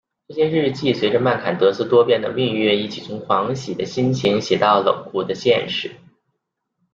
这些日记随着麦坎德斯多变的命运一起从狂喜的心情写到冷酷的现实。